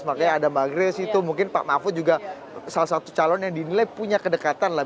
makanya ada mbak grace itu mungkin pak mahfud juga salah satu calon yang dinilai punya kedekatan lah